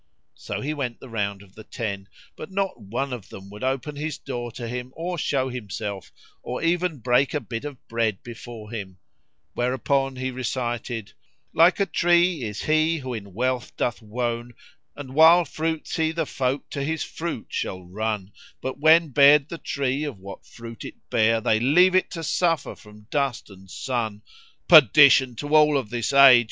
So he went the round of the ten, but not one of them would open his door to him or show himself or even break a bit of bread before him; whereupon he recited, "Like a tree is he who in wealth doth wone, * And while fruits he the folk to his fruit shall run: But when bared the tree of what fruit it bare, * They leave it to suffer from dust and sun. Perdition to all of this age!